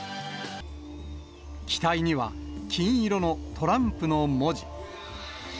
機体には、金色のトランプの文字。